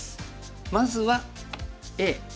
まずはＡ。